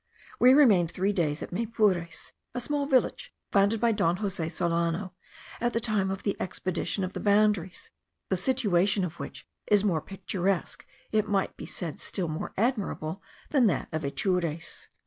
We remained three days at Maypures, a small village founded by Don Jose Solano at the time of the expedition of the boundaries, the situation of which is more picturesque, it might be said still more admirable, than that of Atures.